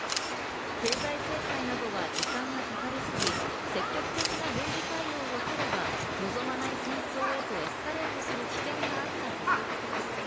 経済制裁などは時間がかかりすぎ、積極的な軍事対応をとれば望まない戦争へとエスカレートする危険があったということです。